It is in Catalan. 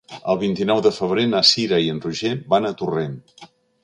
El vint-i-nou de febrer na Cira i en Roger van a Torrent.